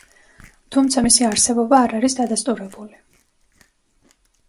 თუმცა მისი არსებობა არ არის დადასტურებული.